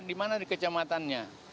di mana di kecamatannya